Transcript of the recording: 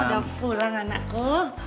udah pulang anakku